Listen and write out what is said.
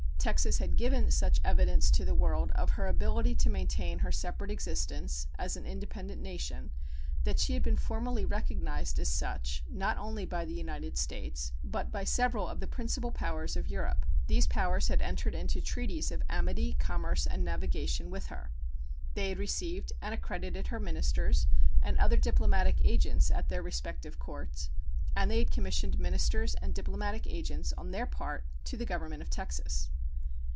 Texas had given such evidence to the world of her ability to maintain her separate existence as an independent nation that she had been formally recognized as such not only by the United States, but by several of the principal powers of Europe. These powers had entered into treaties of amity, commerce, and navigation with her. They had received and accredited her ministers and other diplomatic agents at their respective courts, and they had commissioned ministers and diplomatic agents on their part to the Government of Texas.